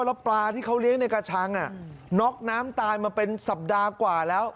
แล้วปลาที่เขาเลี้ยงในกระชังน็อกน้ำตายมาเป็นสัปดาห์กว่าแล้ว